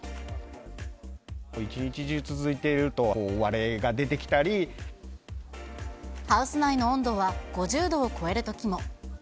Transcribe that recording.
一日中続いていると割れが出ハウス内の温度は５０度を超えるときも。